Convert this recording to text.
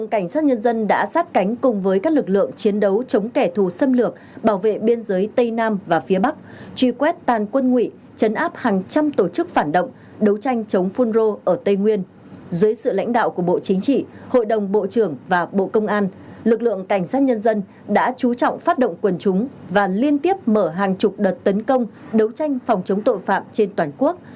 cảnh sát nhân dân đã chú trọng phát động quần chúng và liên tiếp mở hàng chục đợt tấn công đấu tranh phòng chống tội phạm trên toàn quốc